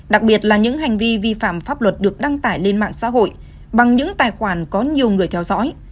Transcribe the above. đặc biệt là những hành vi vi phạm pháp luật được đăng tải lên mạng xã hội bằng những tài khoản có nhiều người theo dõi